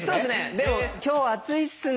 でも「今日暑いっすね」